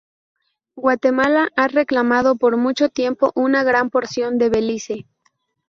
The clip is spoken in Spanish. Guatemala ha reclamado por mucho tiempo una gran porción de Belice.